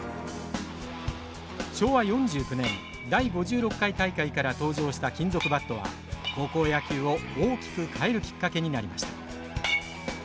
昭和４９年第５６回大会から登場した金属バットは高校野球を大きく変えるきっかけになりました。